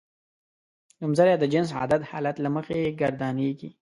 نومځری د جنس عدد حالت له مخې ګردانیږي.